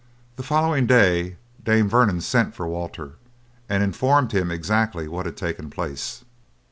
The following day Dame Vernon sent for Walter, and informed him exactly what had taken place.